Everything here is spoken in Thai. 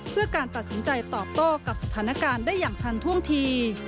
เพื่อการตัดสินใจตอบโต้กับสถานการณ์ได้อย่างทันท่วงที